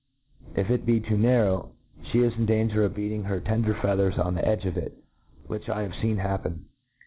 If it be too narrow, fhe is in danger of beating her tender feathers on the edge of it, which 1 have feen happen.